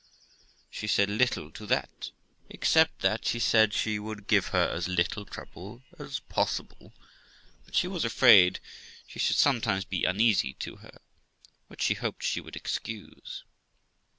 She said little to that, except that, she said, she would give her as little trouble as possible; but she was afraid she should sometimes be uneasy to her, which she hoped she would excuse.